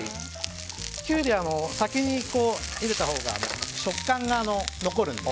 キュウリは先に入れたほうが食感が残るので。